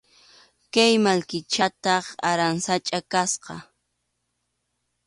Kay mallkichataq aransachʼa kasqa.